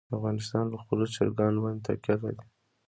افغانستان په خپلو چرګانو باندې تکیه لري.